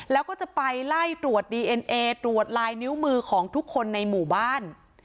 แล้วก็จะไปไล่ตรวจดีเอ็นเอตรวจลายนิ้วมือของทุกคนในหมู่บ้าน